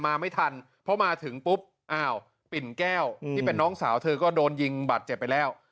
มาไม่ทันเพราะมาถึงปุ๊บอ้าวปิ่นแก้วที่เป็นน้องสาวเธอก็โดนยิงบาดเจ็บไปแล้ว